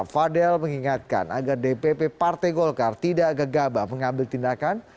fadel mengingatkan agar dpp partai golkar tidak gegabah mengambil tindakan